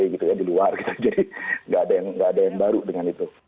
kita di luar jadi nggak ada yang baru dengan itu